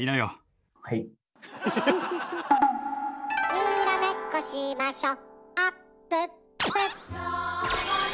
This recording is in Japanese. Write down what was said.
「にらめっこしましょあっぷっぷ」